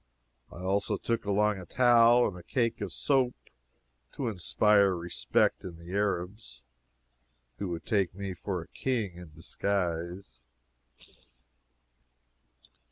I also took along a towel and a cake of soap, to inspire respect in the Arabs, who would take me for a king in disguise.